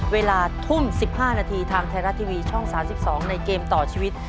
เวลาทุ่ม๑๕นาทีทางไทยรัฐทีวีช่อง๓๒ในเกมต่อชีวิต